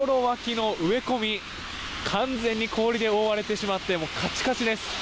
道路脇の植え込み完全に氷で覆われてしまってもうカチカチです。